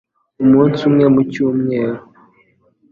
umunsi umwe mu cyumweru